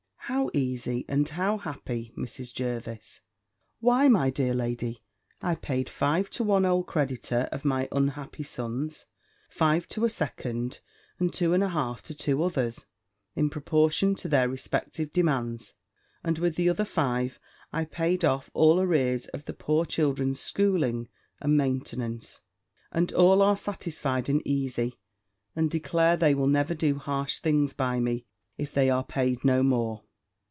"How easy and how happy, Mrs. Jervis?" "Why, my dear lady, I paid five to one old creditor of my unhappy sons; five to a second; and two and a half to two others, in proportion to their respective demands; and with the other five I paid off all arrears of the poor children's schooling and maintenance; and all are satisfied and easy, and declare they will never do harsh things by me, if they are paid no more."